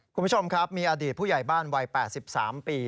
คุณผู้ชมครับมีอดีตผู้ใหญ่บ้านวัย๘๓ปี